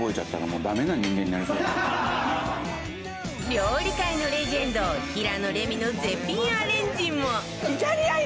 料理界のレジェンド平野レミの絶品アレンジも